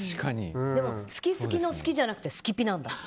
でも好き好きの好きじゃなくて好きピなんだ。